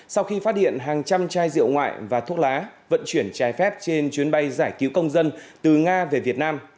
sau khi phát hiện hàng trăm chai rượu ngoại và thuốc lá vận chuyển trái phép trên chuyến bay giải cứu công dân từ nga về việt nam